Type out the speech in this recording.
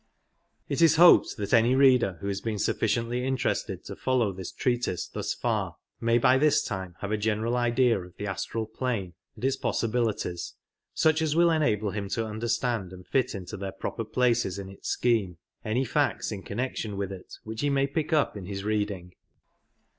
It is hoped that any reader who has been sufficiently in terested to follow this treatise thiis far, may by this time have a general idea of the astral plane and its possitilities, such as will enable him to understand and fit into their propier places in its scheme any facts in connection with it which lie may pick up in his reading.